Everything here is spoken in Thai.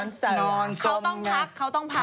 นอนต้องพัก